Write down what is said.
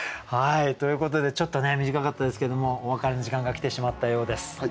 ということでちょっと短かったですけどもお別れの時間が来てしまったようです。